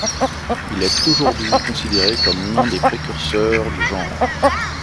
Il est aujourd'hui considéré comme l’un des précurseurs du genre.